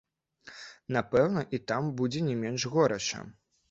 Напэўна, і там будзе не менш горача.